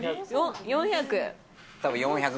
４００。